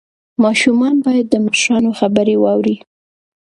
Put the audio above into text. ماشومان باید د مشرانو خبرې واوري.